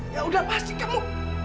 ya udah pasti kamu